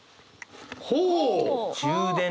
ほう！